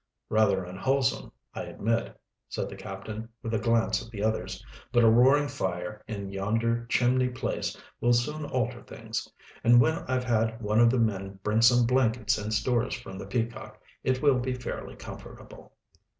"Rather unwholesome, I admit," said the captain, with a glance at the others. "But a roaring fire in yonder chimney place will soon alter things. And when I've had one of the men bring some blankets and stores from the Peacock, it will be fairly comfortable."